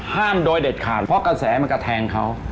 โดยเด็ดขาดเพราะกระแสมันกระแทงเขา